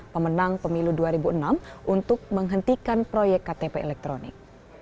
pemenang pemilu dua ribu enam untuk menghentikan proyek ktp elektronik